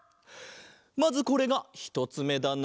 まずこれがひとつめだな。